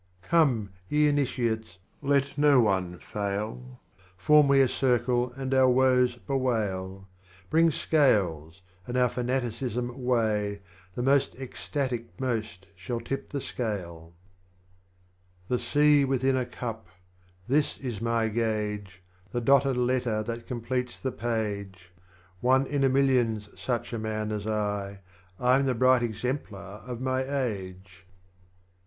21. Come ye Initiates, let no one fail ; Form we a Circle and our Woes bewail, Bring Scales and our Fanaticism Aveigh, The most Ecstatic most shall tip the Scale. 22. The Sea within a Cup â€" this is my Gauge, The Dotted Letter that completes the page, One in a Million 's such a Man as I, I am the bright Exemplar of my age.